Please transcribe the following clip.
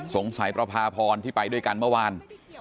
ประพาพรที่ไปด้วยกันเมื่อวาน